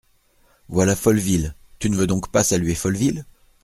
Voilà Folleville… tu ne veux donc pas saluer Folleville ?